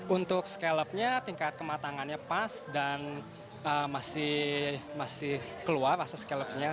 untuk scallopnya tingkat kematangannya pas dan masih keluar rasa scallopnya